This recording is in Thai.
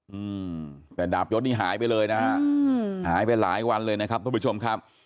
อืมแต่ดาบยศนี่หายไปเลยนะฮะอืมหายไปหลายวันเลยนะครับทุกผู้ชมครับ